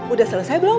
udah selesai belum